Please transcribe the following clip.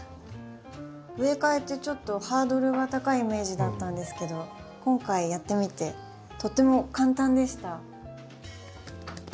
植え替えってちょっとハードルが高いイメージだったんですけど今回やってみてとても簡単でした。